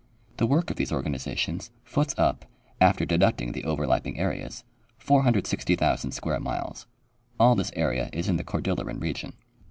The work of these organizations foots up, after deducting the over lapping areas, 460,000 square miles. All this area is in the Cor dilleran region.